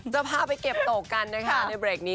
จะพาไปเก็บโต๊กกันนะคะในเมื่อมีในตอนนี้